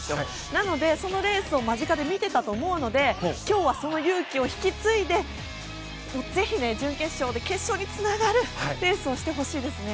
なのでそのレースを間近で見ていたと思うので今日は、その勇気を引き継いでぜひ、準決勝で決勝につながるレースをしてほしいですね。